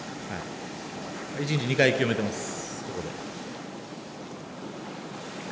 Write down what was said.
１日２回清めてます。